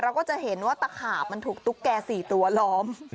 เราก็จะเห็นว่าตะขาบมันถูกตุ๊กแก่๔ตัวล้อม